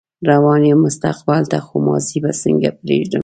روان يم مستقبل ته خو ماضي به څنګه پرېږدم